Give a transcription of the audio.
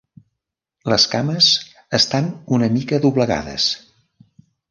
Les cames estan una mica doblegades.